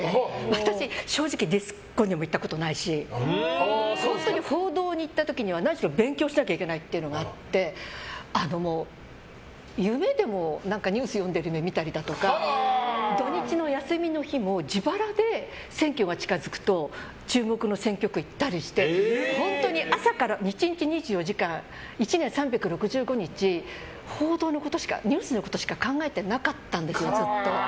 私、正直ディスコにも行ったことないし本当に報道に行った時には何しろ勉強しなきゃいけないというのがあってニュース読んでいる夢を見たりだとか土日の休みの日も自腹で選挙が近づくと注目の選挙区に行ったりして本当に朝から、１日２４時間１年３６５日、報道のことしかニュースのことしか考えてなかったんですよ。